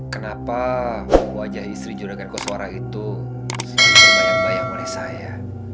kenapa wajah istri juragan koswara itu sembunyi bayang bayang oleh saya